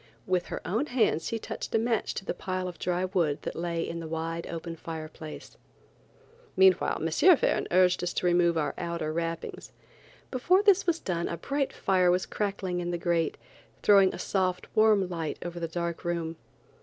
With her own hands she touched a match to the pile of dry wood that lay in the wide open fireplace. Meanwhile M. Verne urged us to remove our outer wrappings. Before this was done a bright fire was crackling in the grate, throwing a soft, warm light over the dark room.